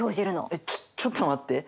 えっちょちょっと待って。